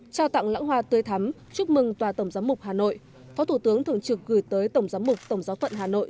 trao tặng lãng hoa tươi thắm chúc mừng tòa tổng giám mục hà nội phó thủ tướng thường trực gửi tới tổng giám mục tổng giáo phận hà nội